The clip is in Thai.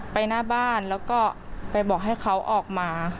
หน้าบ้านแล้วก็ไปบอกให้เขาออกมา